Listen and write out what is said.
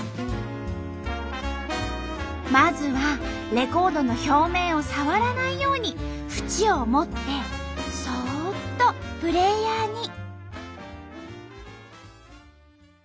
まずはレコードの表面を触らないように縁を持ってそっとプレーヤーに。